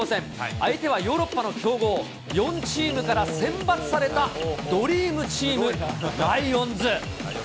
相手はヨーロッパの強豪、４チームから選抜されたドリームチーム、ライオンズ。